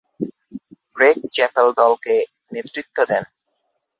Greg Chappell দলকে নেতৃত্ব দেন।